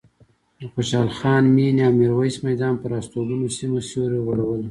د خوشحال خان مېنې او میرویس میدان پر هستوګنو سیمو سیوری غوړولی.